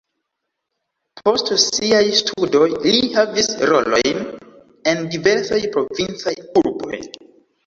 Post siaj studoj li havis rolojn en diversaj provincaj urboj.